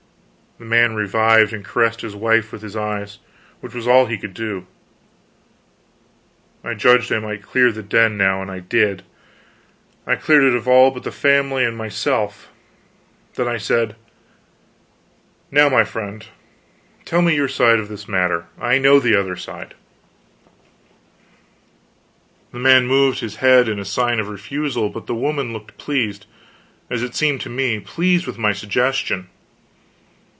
The man revived and caressed his wife with his eyes, which was all he could do. I judged I might clear the den, now, and I did; cleared it of all but the family and myself. Then I said: "Now, my friend, tell me your side of this matter; I know the other side." The man moved his head in sign of refusal. But the woman looked pleased as it seemed to me pleased with my suggestion.